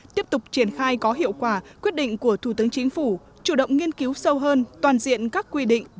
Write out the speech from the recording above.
tiếp tục triển khai có hiệu quả quyết định của thủ tướng chính phủ chủ động nghiên cứu sâu hơn toàn diện các quy định